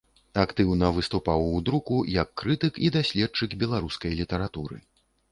Актыўна выступаў у друку як крытык і даследчык беларускай літаратуры.